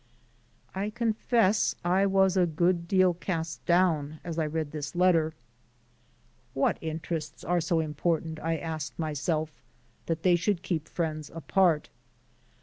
I confess I was a good deal cast down as I read this letter. "What interests are so important?" I asked myself, "that they should keep friends apart?"